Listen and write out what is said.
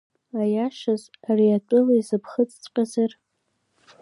Аиашаз, ари атәыла изыԥхыӡҵәҟьазар?